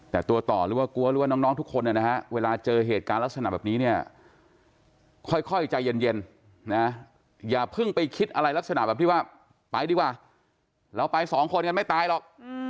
แต่ตัวต่อหรือว่ากลัวหรือว่าน้องทุกคนนะฮะเวลาเจอเหตุการณ์ลักษณะแบบนี้เนี่ยค่อยใจเย็นนะอย่าเพิ่งไปคิดอะไรลักษณะแบบที่ว่าไปดีกว่าเราไปสองคนกันไม่ตายหรอก